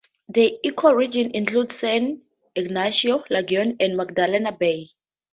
The ecoregion includes San Ignacio Lagoon and Magdalena Bay.